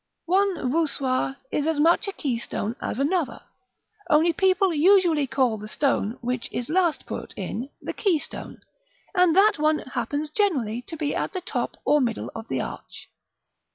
One voussoir is as much a keystone as another; only people usually call the stone which is last put in the keystone; and that one happens generally to be at the top or middle of the arch.